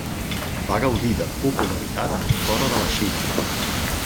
Va gaudir de popularitat fora de la Xina.